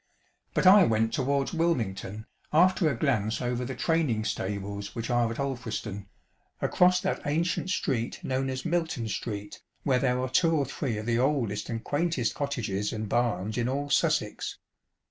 But I went towards Wilmington, after a glance over the training stables which are at Alfris ton, across that ancient street known as "Milton Street," where there are two or three of the oldest and quaintest cottages and barns in all Sussex.